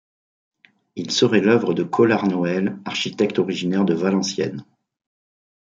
Il serait l’œuvre de Colard Noël, architecte originaire de Valenciennes.